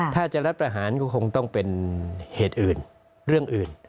ถ้าจะรัฐประหารก็คงต้องเป็นเหตุอื่นเรื่องอื่น